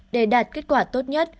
để đạt kết quả tốt nhất